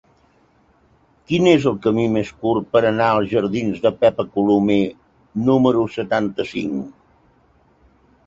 Quin és el camí més curt per anar als jardins de Pepa Colomer número setanta-cinc?